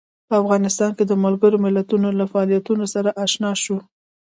په افغانستان کې د ملګرو ملتونو له فعالیتونو سره آشنا شو.